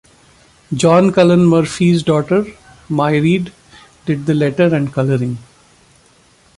John Cullen Murphy's daughter, Mairead, did the lettering and coloring.